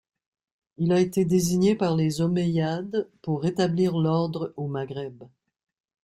Il a été désigné par les Omeyyades pour rétablir l'ordre au Maghreb.